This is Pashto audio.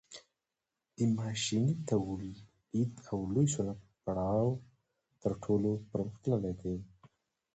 د ماشیني تولید او لوی صنعت پړاو تر ټولو پرمختللی دی